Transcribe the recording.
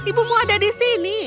ibumu ada di sini